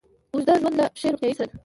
اوږد ژوند له له ښې روغتیا سره